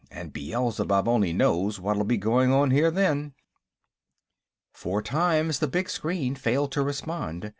And Beelzebub only knows what'll be going on here then." Four times, the big screen failed to respond.